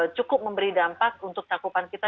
cukup memberi dampak untuk cakupan kita